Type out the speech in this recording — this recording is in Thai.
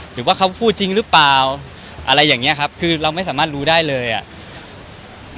หรือว่าเขาพูดจริงหรือเปล่าอะไรอย่างเงี้ยครับคือเราไม่สามารถรู้ได้เลยอ่ะ